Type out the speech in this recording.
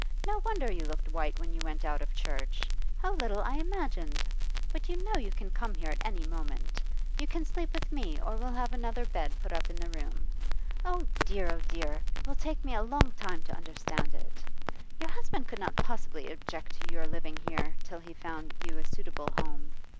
No wonder you looked white when you went out of church. How little I imagined! But you know you can come here at any moment. You can sleep with me, or we'll have another bed put up in the room. Oh, dear; oh, dear! It will take me a long time to understand it. Your husband could not possibly object to your living here till he found you a suitable home.